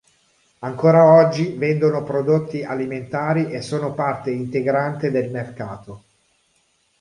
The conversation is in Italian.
Ancora oggi vendono prodotti alimentari e sono parte integrante del mercato.